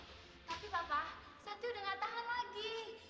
tapi papa santi sudah tidak tahan lagi